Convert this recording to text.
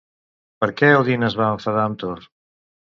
Per què Odin es va enfadar amb Thor?